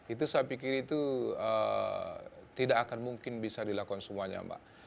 itu saya pikir itu tidak akan mungkin bisa dilakukan semuanya mbak